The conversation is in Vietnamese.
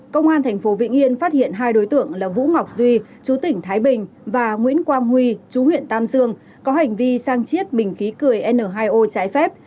công an tp vĩnh yên phát hiện hai đối tượng là vũ ngọc duy chú tỉnh thái bình và nguyễn quang huy chú huyện tam dương có hành vi sang chiết bình khí cười n hai o trái phép